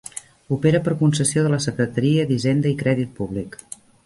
Opera per concessió de la Secretaria d'Hisenda i Crédit Públic.